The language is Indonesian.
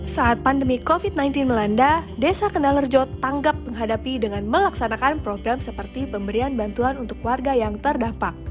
saat pandemi covid sembilan belas melanda desa kendal rejo tanggap menghadapi dengan melaksanakan program seperti pemberian bantuan untuk warga yang terdampak